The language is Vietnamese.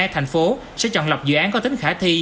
thành phố sẽ chọn lọc dự án có tính khả thi